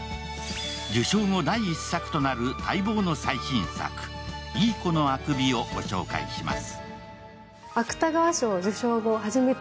受賞後第１作となる待望の最新作、「いい子のあくび」をご紹介します。